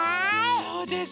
そうです。